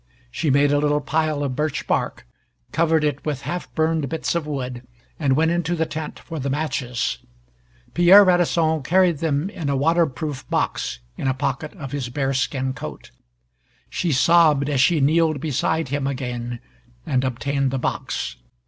She made a little pile of birch bark, covered it with half burned bits of wood, and went into the tent for the matches. Pierre Radisson carried them in a water proof box in a pocket of his bearskin coat. She sobbed as she kneeled beside him again, and obtained the box.